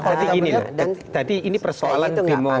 jadi ini persoalan